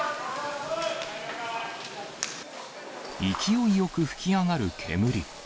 勢いよく噴き上がる煙。